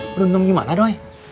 beruntung gimana doi